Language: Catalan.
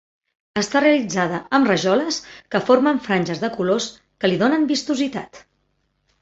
Està realitzada amb rajoles que formen franges de colors que li donen vistositat.